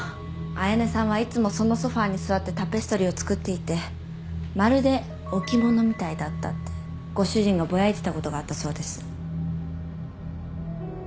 綾音さんはいつもそのソファに座ってタペストリーを作っていてまるで置物みたいだったってご主人がボヤいてたことがあったそうです。